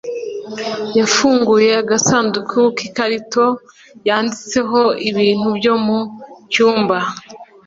yafunguye agasanduku k'ikarito yanditseho "ibintu byo mu cyumba."